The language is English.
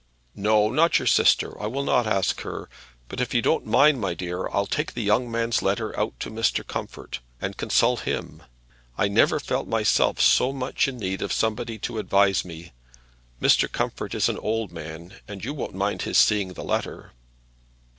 "No, not your sister. I will not ask her. But if you don't mind, my dear, I'll take the young man's letter out to Mr. Comfort, and consult him. I never felt myself so much in need of somebody to advise me. Mr. Comfort is an old man, and you won't mind his seeing the letter."